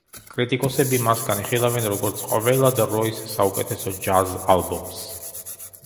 კრიტიკოსები მას განიხილავენ, როგორც ყველა დროის საუკეთესო ჯაზ ალბომს.